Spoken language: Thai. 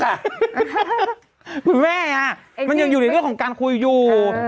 คุณแม่มันยังอยู่ในเรื่องของการคุยอยู่